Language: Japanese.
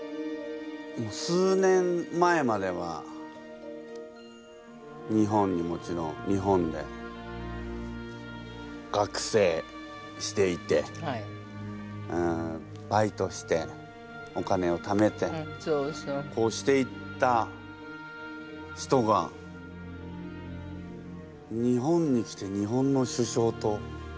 数年前までは日本にもちろん日本で学生していてバイトしてお金をためてこうしていった人が日本に来て日本の首相と。